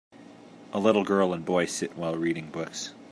A little girl and boy sit while reading books